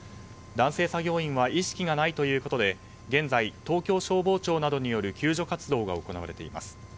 男性作業員は意識がないということで現在、東京消防庁などによる救助活動が行われています。